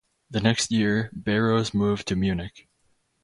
The next year, Bayros moved to Munich.